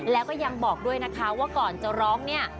แล้วก็บอกด้วยว่าก่อนจะร้องเนี้ย